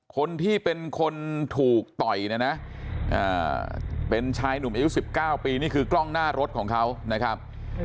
คนที่เป็นคนถูกต่อยเนี่ยนะเป็นชายหนุ่มอายุ๑๙ปีนี่คือกล้องหน้ารถของเขานะครับ